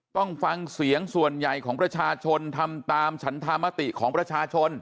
ต้องฟังเสียงส่วนใหญ่ของประชาชนทำตามฉันธรรมติของประชาชน